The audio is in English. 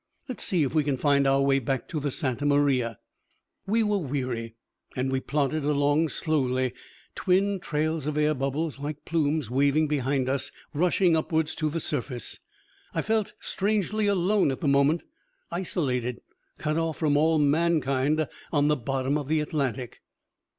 Let's see if we can find our way back to the Santa Maria." We were weary, and we plodded along slowly, twin trails of air bubbles like plumes waving behind us, rushing upwards to the surface. I felt strangely alone at the moment, isolated, cut off from all mankind, on the bottom of the Atlantic.